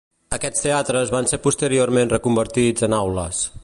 Aquests teatres van ser posteriorment reconvertits en aules.